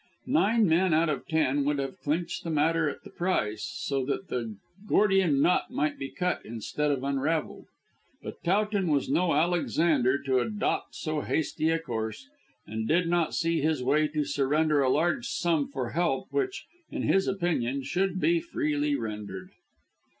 Nine men out of ten would have clinched the matter at the price, so that the Gordian knot might be cut instead of unravelled. But Towton was no Alexander to adopt so hasty a course, and did not see his way to surrender a large sum for help which, in his opinion, should be freely rendered.